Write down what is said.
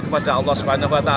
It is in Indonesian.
kepada allah swt